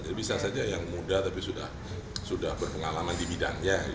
jadi bisa saja yang muda tapi sudah berpengalaman di bidangnya